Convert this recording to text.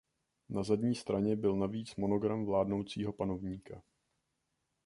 Na zadní straně byl navíc monogram vládnoucího panovníka.